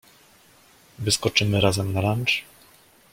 Wyskoczymy razem na lunch?